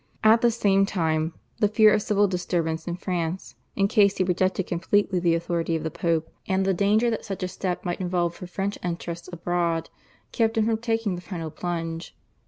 At the same time the fear of civil disturbance in France in case he rejected completely the authority of the Pope, and the danger that such a step might involve for French interests abroad kept him from taking the final plunge.